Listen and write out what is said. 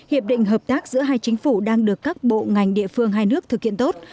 hiệp định hợp tác giữa hai chính phủ đang được các bộ ngành địa phương hai nước thực hiện tốt